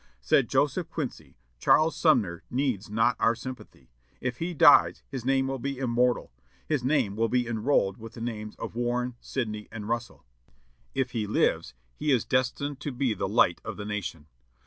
Said Joseph Quincy: "Charles Sumner needs not our sympathy. If he dies his name will be immortal his name will be enrolled with the names of Warren, Sidney, and Russell; if he lives he is destined to be the light of the nation."